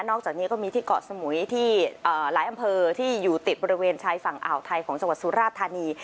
อกจากนี้ก็มีที่เกาะสมุยที่หลายอำเภอที่อยู่ติดบริเวณชายฝั่งอ่าวไทยของจังหวัดสุราชธานี